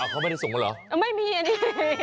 เขาไม่ได้ส่งมาเหรอโอเค